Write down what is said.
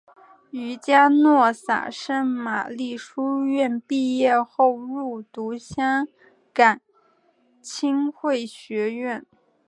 于嘉诺撒圣玛利书院毕业后入读香港浸会学院。